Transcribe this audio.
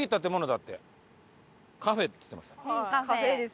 カフェです。